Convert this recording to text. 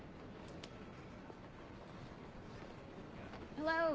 おはよう。